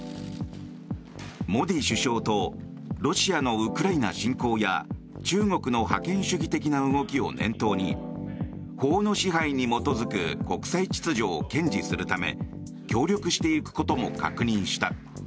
モディ首相とロシアのウクライナ侵攻や中国の覇権主義的な動きを念頭に法の支配に基づく国際秩序を堅持するため協力していくことも確認した。